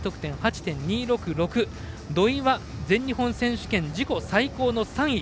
土井は全日本選手権自己最高の３位。